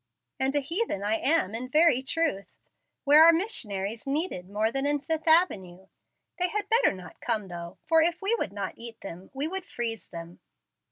"And a heathen I am in very truth. Where are missionaries needed more than in Fifth Avenue? They had better not come, though; for if we would not eat them, we would freeze them."